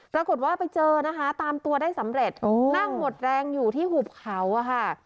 ปรากฏว่าไปเจอนะคะตามตัวได้สำเร็จนั่งหมดแรงอยู่ที่หุบเขาอะค่ะ